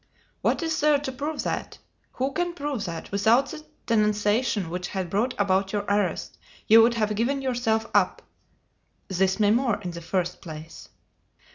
"What is there to prove that? Who can prove that, without the denunciation which had brought about your arrest, you would have given yourself up?" "This memoir, in the first place."